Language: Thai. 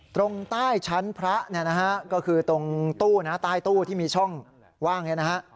ตรงใต้ชั้นพระก็คือตรงตู้ใต้ตู้ที่มีช่องว่าง